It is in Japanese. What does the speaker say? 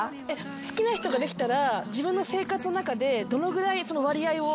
好きな人ができたら自分の生活の中でどのぐらい割合を占めますか？